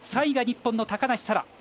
３位が日本の高梨沙羅。